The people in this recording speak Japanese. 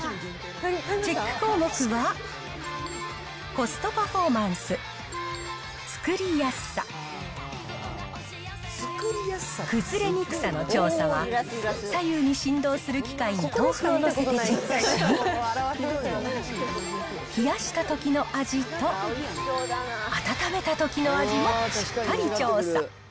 チェック項目は、コストパフォーマンス、作りやすさ、崩れにくさの調査は、左右に振動する機械に豆腐を載せてチェックし、冷やしたときの味と、温めたときの味もしっかり調査。